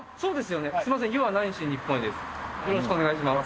よろしくお願いします。